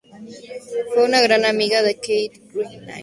Fue una gran amiga de Kate Greenaway.